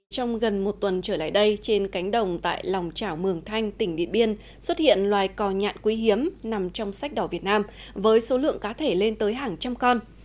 trong gần một tuần trở lại đây trên cánh đồng tại lòng trảo mường thanh tỉnh điện biên xuất hiện loài cò nhạn quý hiếm nằm trong sách đỏ việt nam với số lượng cá thể lên tới hàng trăm con